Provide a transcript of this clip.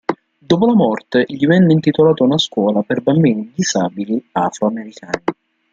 Dopo la morte, gli venne intitolata una scuola per bambini disabili afroamericani.